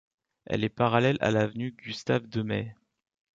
Elle est parallèle à l'avenue Gustave Demey.